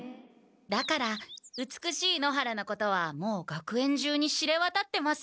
だから美しい野原のことはもう学園中に知れわたってます。